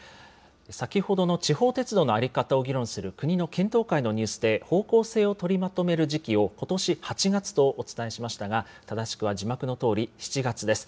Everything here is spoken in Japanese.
先ほどの地方鉄道の在り方を議論する国の検討会のニュースで、方向性を取りまとめる時期を、ことし８月とお伝えしましたが、正しくは字幕のとおり７月です。